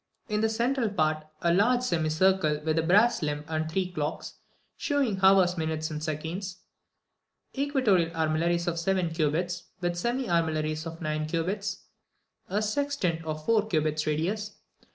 _ 17. In the central part, a large semicircle, with a brass limb, and three clocks, shewing hours, minutes, and seconds. 18. Equatorial armillaries of seven cubits, with semi armillaries of nine cubits. 19. A sextant of four cubits radius.